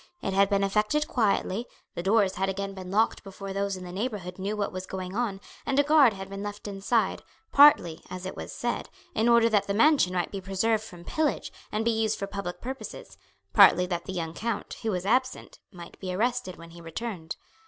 It had been effected quietly, the doors had again been locked before those in the neighbourhood knew what was going on, and a guard had been left inside, partly, it was said, in order that the mansion might be preserved from pillage and be used for public purposes, partly that the young count, who was absent, might be arrested when he returned.